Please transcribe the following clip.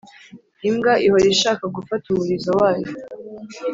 Imbwa ihora ishaka gufata umurizo wayo